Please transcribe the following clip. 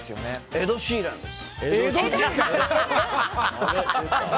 エド・シーランです。